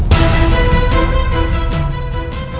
kau adalah penawar yang aneh